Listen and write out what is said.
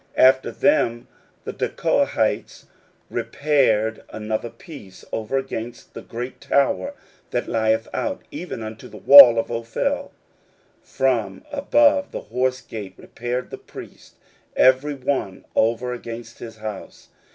16:003:027 After them the Tekoites repaired another piece, over against the great tower that lieth out, even unto the wall of Ophel. 16:003:028 From above the horse gate repaired the priests, every one over against his house.